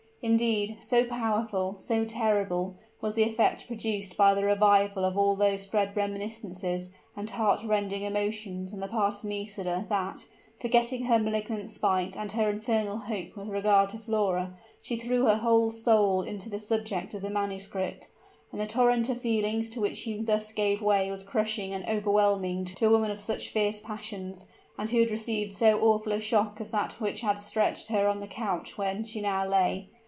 Indeed, so powerful, so terrible, was the effect produced by the revival of all those dread reminiscences and heart rending emotions on the part of Nisida that, forgetting her malignant spite and her infernal hope with regard to Flora, she threw her whole soul into the subject of the manuscript: and the torrent of feelings to which she thus gave way was crushing and overwhelming to a woman of such fierce passions, and who had received so awful a shock as that which had stretched her on the couch where she now lay.